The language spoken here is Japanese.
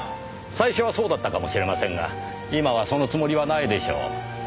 最初はそうだったかもしれませんが今はそのつもりはないでしょう。